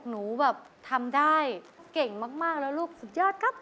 หนูแบบทำได้เก่งมากแล้วลูกสุดยอดครับ